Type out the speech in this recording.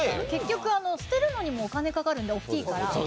結局捨てるのにもお金かかるんで大きいから。